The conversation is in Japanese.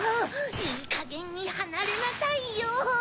いいかげんにはなれなさいよ！